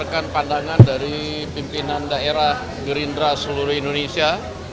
dan kemudian juga tadi pak prabu sudah melaporkan hasil pertemuan dengan ketua